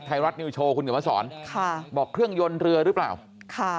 ไทยรัฐนิวโชว์คุณเดี๋ยวมาสอนค่ะบอกเครื่องยนต์เรือหรือเปล่าค่ะ